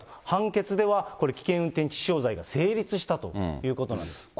判決ではこれ危険運転致死傷罪が成立したということなんです。